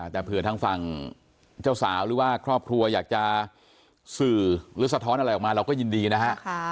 แต่เผื่อทางฝั่งเจ้าสาวหรือว่าครอบครัวอยากจะสื่อหรือสะท้อนอะไรออกมาเราก็ยินดีนะฮะ